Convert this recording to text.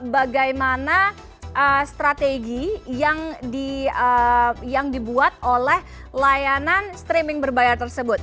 bagaimana strategi yang dibuat oleh layanan streaming berbayar tersebut